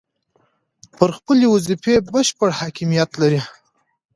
پر خپلې وظیفې بشپړ حاکمیت لري.